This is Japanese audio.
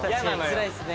つらいですね。